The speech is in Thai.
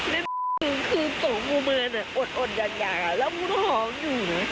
แล้วคือส่งมูมืออดอย่างอ่ะแล้วมุนหอมอยู่